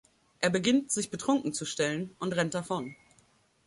Er beginnt, sich betrunken zu stellen, und rennt davon.